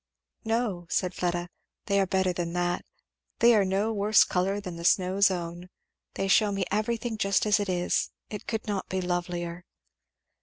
"No," said Fleda, "they are better than that they are no worse colour than the snow's own they shew me everything just as it is. It could not be lovelier."